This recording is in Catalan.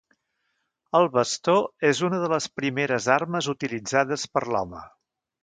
El bastó és una de les primeres armes utilitzades per l'home.